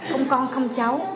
không con không cháu